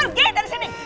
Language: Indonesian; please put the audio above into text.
pergi dari sini